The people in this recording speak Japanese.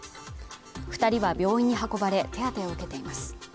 二人は病院に運ばれ手当てを受けています